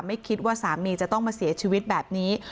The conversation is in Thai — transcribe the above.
ไม่คิดว่าสามีจะต้องมาเสียชีวิตแบบนี้